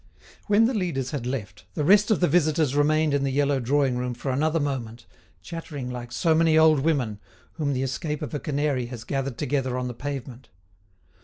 When the leaders had left, the rest of the visitors remained in the yellow drawing room for another moment, chattering like so many old women, whom the escape of a canary has gathered together on the pavement.